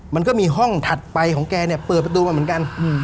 มันก็มีห้องถัดไปของแกเนี่ยเปิดประตูมาเหมือนกัน